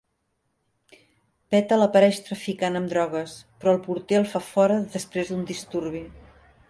Petal apareix traficant amb drogues, però el porter el fa fora després d'un disturbi.